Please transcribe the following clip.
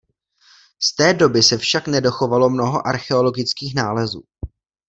Z té doby se však nedochovalo mnoho archeologických nálezů.